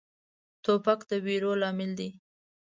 توپک د ویرو لامل دی.